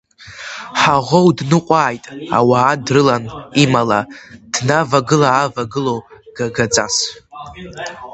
Ҳаӷоу дныҟәааит, ауаа дрылан, имала, днавагыла-аавагыло, гагаҵас.